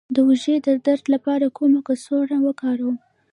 د اوږې د درد لپاره کومه کڅوړه وکاروم؟